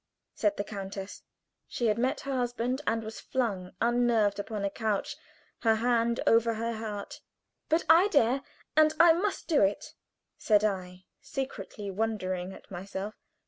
said the countess. She had met her husband, and was flung, unnerved, upon a couch, her hand over her heart. "But I dare, and I must do it!" said I, secretly wondering at myself.